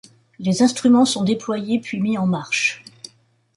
Les instruments sont déployés puis mis en marche.